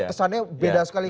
kesannya beda sekali